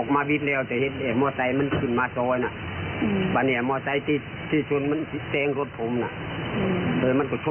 มันก็ช่วงกันเองในลงบุตร